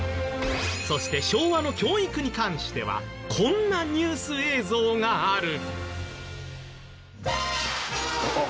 そして昭和の教育に関してはこんなニュース映像がある。